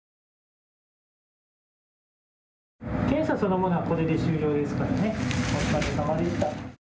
検査そのものはこれで終了ですからね。